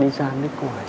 đi ra nước ngoài